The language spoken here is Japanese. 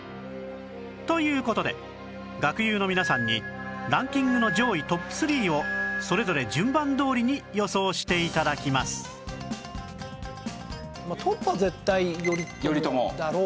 という事で学友の皆さんにランキングの上位トップ３をそれぞれ順番どおりに予想して頂きますだろう。